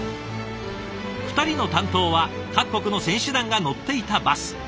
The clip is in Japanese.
２人の担当は各国の選手団が乗っていたバス。